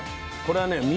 これはね